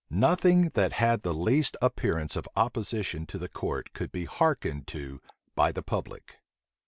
Nothing that had the least appearance of opposition to the court could be hearkened to by the public.